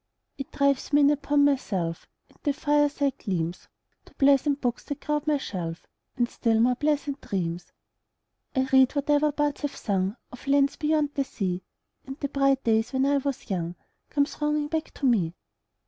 It drives me in upon myself 5 And to the fireside gleams, To pleasant books that crowd my shelf, And still more pleasant dreams. I read whatever bards have sung Of lands beyond the sea, 10 And the bright days when I was young Come thronging back to me.